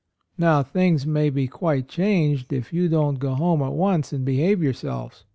Now things may be quite changed, if you don't go home at once and behave yourselves.